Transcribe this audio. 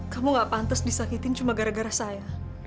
kamu gak pantas disakitin cuma gara gara saya